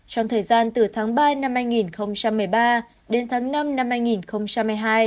trong thời gian từ tháng ba năm hai nghìn một mươi ba đến tháng năm năm hai nghìn hai mươi hai